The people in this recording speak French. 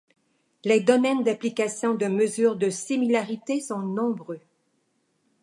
Les domaines d'application de mesures de similarité sont nombreux.